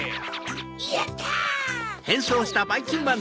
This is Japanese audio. やった！